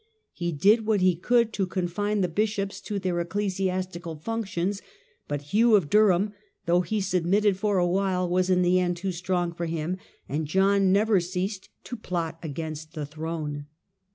He did what he could to confine the bishops to their ecclesiastical functions, but Hugh of Durham, though he submitted for a while, was in the end too strong for him; and John never ceased to plot against the throne.